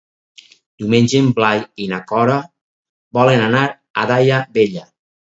Diumenge en Blai i na Cora volen anar a Daia Vella.